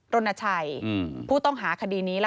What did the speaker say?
ตนุชัยผู้ต้องหาคดีนี้ละค่ะ